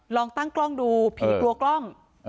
ลองตั้งกล้องดูผีกลัวกล้อง